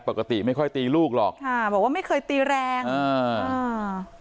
ปกติไม่ค่อยตีลูกหรอกค่ะบอกว่าไม่เคยตีแรงอ่าอ่า